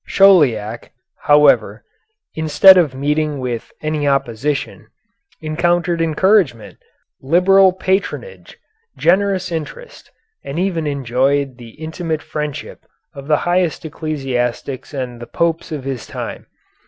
Chauliac, however, instead of meeting with any opposition, encountered encouragement, liberal patronage, generous interest, and even enjoyed the intimate friendship of the highest ecclesiastics and the Popes of his time.